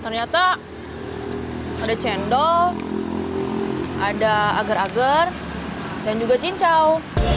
ternyata ada cendol ada agar agar dan juga cincau